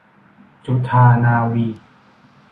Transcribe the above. จุฑานาวี